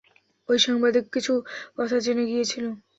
ঐ সাংবাদিক কিছু কথা জেনে গিয়েছিল।